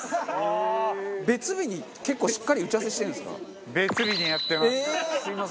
別日に結構しっかり打ち合わせしてるんですか？